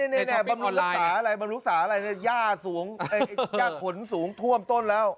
นี่บำรุงรักษาอะไรย่าขนสูงท่วมต้นแล้ว